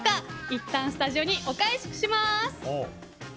いったんスタジオにお返しします。